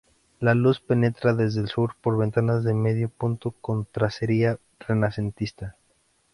La luz penetra desde el sur por ventanales de medio punto con tracería renacentista.